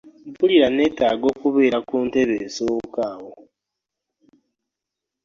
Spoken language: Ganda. Mpulira nneetaaga okubeera ku ntebe esooka awo.